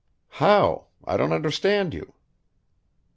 "How? I don't understand you."